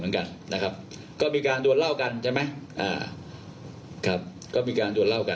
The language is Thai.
เหมือนกันนะครับก็มีการดวนเหล้ากันใช่ไหมอ่าครับก็มีการดวนเหล้ากัน